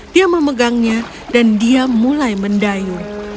dia memegangnya dan dia mulai mendayung